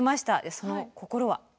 その心は？